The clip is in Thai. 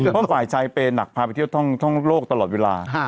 เพราะฝ่ายชายเปย์หนักพาไปเที่ยวท่องโลกตลอดเวลา